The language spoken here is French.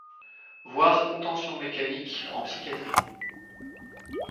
Voir Contention mécanique en psychiatrie.